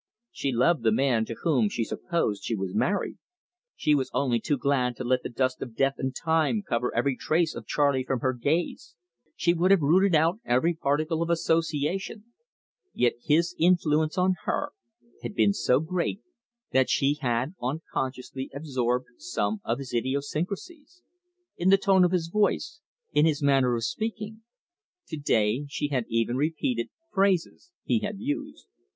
She loved the man to whom she supposed she was married; she was only too glad to let the dust of death and time cover every trace of Charley from her gaze; she would have rooted out every particle of association: yet his influence on her had been so great that she had unconsciously absorbed some of his idiosyncrasies in the tone of his voice, in his manner of speaking. To day she had even repeated phrases he had used.